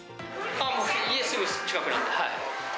家、すぐ近くなんで。